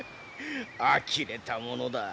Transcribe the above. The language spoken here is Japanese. あきれたものだ。